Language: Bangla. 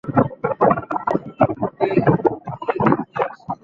আমি তোমার আম্মুকে গিয়ে দেখিয়ে আসি।